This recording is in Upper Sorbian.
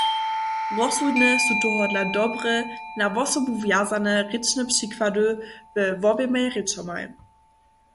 Rozsudne su tohodla dobre, na wosobu wjazane rěčne přikłady we woběmaj rěčomaj.